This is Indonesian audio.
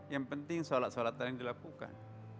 yang penting shalat shalatan yang dilakukan